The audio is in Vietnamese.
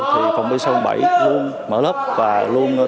thì phòng pc bảy luôn mở lớp và luôn đạt được